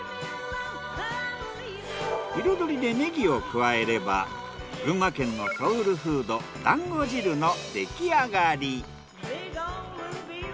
彩りでネギを加えれば群馬県のソウルフードだんご汁の出来上がり。